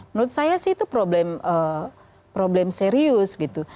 menurut saya sih itu problem serius gitu